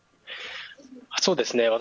そうですね。